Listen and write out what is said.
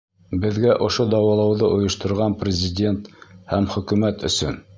Беҙгә ошо дауалауҙы ойошторған Президент һәм Хөкүмәт өсөн!